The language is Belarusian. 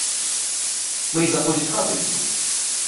Мы і заходзіць у хату не будзем.